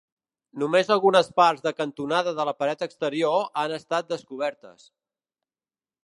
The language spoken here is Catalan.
Només algunes parts de cantonada de la paret exterior han estat descobertes.